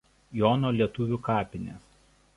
Jono lietuvių kapinės.